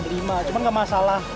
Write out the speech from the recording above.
cuma gak masalah